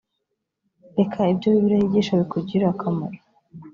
reka ibyo bibiliya yigisha bikugirire akamaro